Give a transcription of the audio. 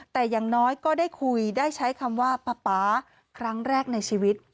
แต่อย่างน้อยก็ได้คุยได้ใช้คำว่าป๊าป๊าครั้งแรกในชีวิต